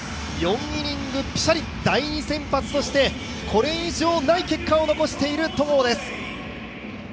４イニングぴしゃり、第２先発としてこれ以上ない結果を残している戸郷です。